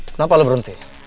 kenapa lo berhenti